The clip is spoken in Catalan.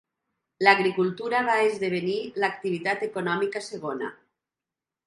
L'agricultura va esdevenir l'activitat econòmica segona.